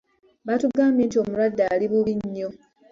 Baatugambye nti omulwadde ali bubi nnyo.